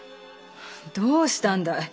どうしたんだい？